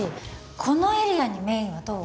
このエリアにメインはどう？